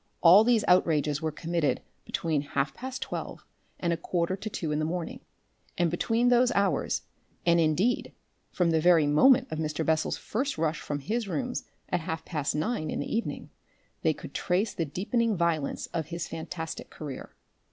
All these outrages were committed between half past twelve and a quarter to two in the morning, and between those hours and, indeed, from the very moment of Mr. Bessel's first rush from his rooms at half past nine in the evening they could trace the deepening violence of his fantastic career.